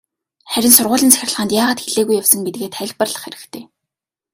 Харин сургуулийн захиргаанд яагаад хэлээгүй явсан гэдгээ тайлбарлах хэрэгтэй.